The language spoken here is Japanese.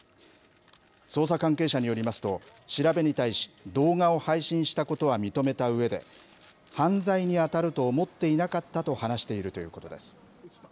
捜査関係者によりますと、調べに対し、動画を配信したことは認めたうえで、犯罪に当たると思っていなかったと話しているということです。